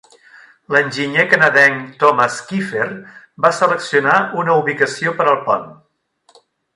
L'enginyer canadenc Thomas Keefer va seleccionar una ubicació per al pont.